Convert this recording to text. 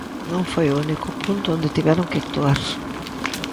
Non foi o único punto onde tiveron que actuar.